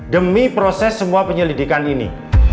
demi proses semua penyelidikan ini